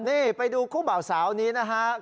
นี่ไปดูคู่บ่าวสาวนี้นะครับ